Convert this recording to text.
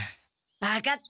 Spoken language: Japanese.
分かった。